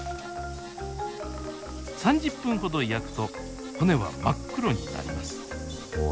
３０分ほど焼くと骨は真っ黒になります。